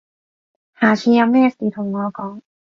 下次有咩事同我講